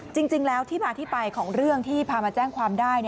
จริงแล้วที่มาที่ไปของเรื่องที่พามาแจ้งความได้